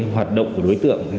hoạt động của đối tượng